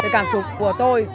cảm xúc của tôi